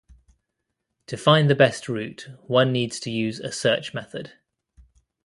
To find the best route, one needs to use a search method.